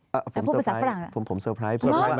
แต่ผู้พูดภาษาฝรั่งผมสุ่มบรรยากาศ